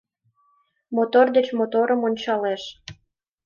Мотор деч моторым ончалеш.